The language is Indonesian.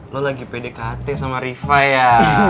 lo lagi pdkt sama riva ya